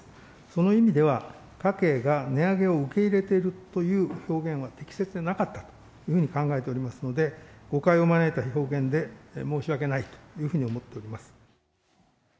その意味では、家計が値上げを受け入れているという表現は適切でなかったというふうに考えておりますので、誤解を招いた表現で、申し訳ないというふうに思っております。